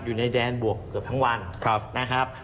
อยู่ในแดนบวกเกือบทั้งวันนะครับ